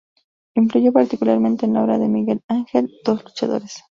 Influyó particularmente en la obra de Miguel Ángel "Dos luchadores".